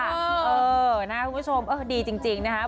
เออนะครับคุณผู้ชมดีจริงนะฮะ